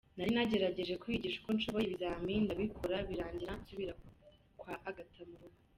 Nari nagerageje kwiyigisha uko nshoboye ibizami ndabikora birarangira nsubira kwa Agatha mu rugo.